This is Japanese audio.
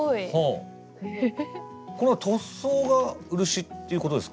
これは塗装が漆っていうことですか？